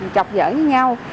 chọc giỡn với nhau